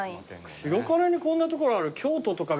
白金にこんな所ある京都とか